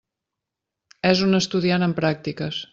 És un estudiant en pràctiques.